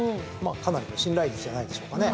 かなりの信頼率じゃないでしょうかね。